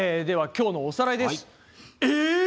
では今日のおさらいです。え！